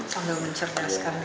sambil mencerdaskan diri